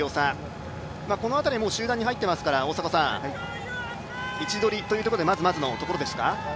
この辺りは集団に入っていますから位置取りというところで、まずまずというところですか？